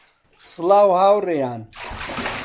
سڵاو هاوڕێیان